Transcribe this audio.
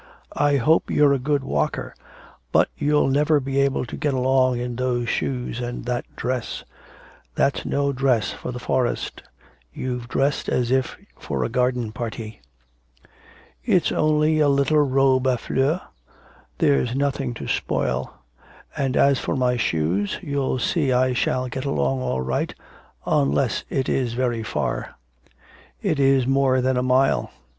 I hope you're a good walker. But you'll never be able to get along in those shoes and that dress that's no dress for the forest. You've dressed as if for a garden party.' 'It is only a little robe a fleurs, there's nothing to spoil, and as for my shoes, you'll see I shall get along all right, unless it is very far.' 'It is more than a mile.